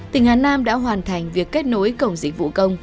tỉnh hà nam đã hoàn thành việc kết nối cổng dịch vụ công